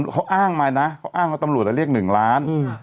เขาอ้างมานะเขาอ้างว่าตำรวจเรียก๑ล้าน